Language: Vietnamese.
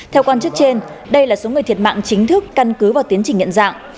theo quan chức trên đây là số người thiệt mạng chính thức căn cứ vào tiến trình nhận dạng